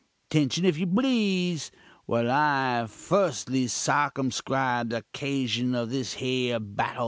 "Tention, if you please, while I fustly sarcumscribe the 'casion of this here battul.